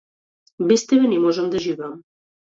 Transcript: Без тебе не можам да живеам.